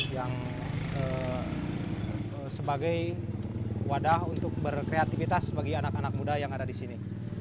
yang sebagai wadah untuk berkreativitas bagi anak anak muda yang ada di sini